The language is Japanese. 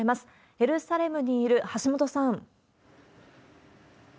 エルサレムにいる橋本さん。